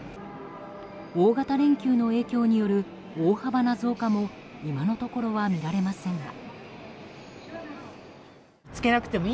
大型連休の影響による大幅な増加も今のところは見られませんが。